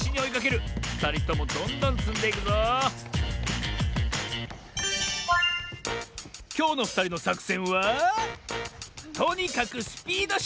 ふたりともどんどんつんでいくぞきょうのふたりのさくせんはとにかくスピードしょうぶ！